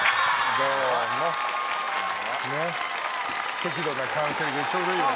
適度な歓声でちょうどいいわね。